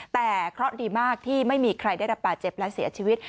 แต่เคราะห์ดีมากที่ไม่มีใครได้รับบาดเจ็บและเสียชีวิต